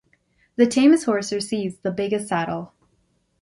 The tamest horse receives the biggest saddle.